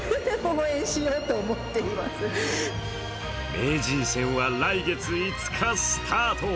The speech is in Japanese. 名人戦は来月５日スタート。